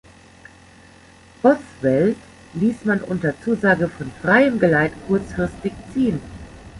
Bothwell ließ man unter Zusage von freiem Geleit kurzfristig ziehen.